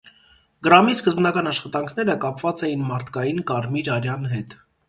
Գրամի սկզբնական աշխատանքները կապված էին մարդկային կարմիր արյան հետ։